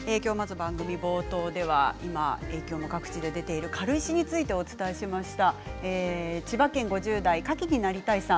番組冒頭では影響が各地で出ている軽石について、お伝えしました。